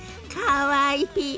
かわいい！